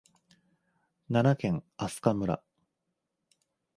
奈良県明日香村